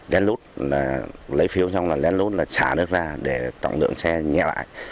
các đối tượng sẽ xả nước ra để tăng lượng xe nhẹ lại